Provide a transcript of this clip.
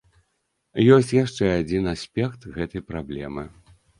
Ёсць яшчэ адзін аспект гэтай праблемы.